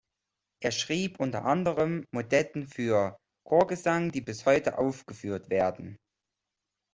Er schrieb unter anderem Motetten für Chorgesang, die bis heute aufgeführt werden.